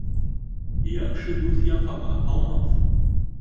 Яҡшы дуҫ яфаға һалмаҫ.